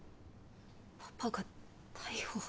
パパが逮捕。